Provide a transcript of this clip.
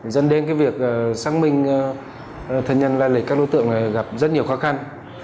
dân đêm việc xác minh thân nhân lai lịch các đối tượng gặp rất nhiều khó khăn